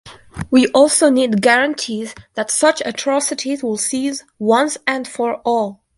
We also need guarantees that such atrocities will cease once and for all.